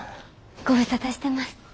ご無沙汰してます。